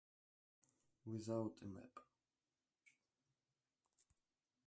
Without a Map.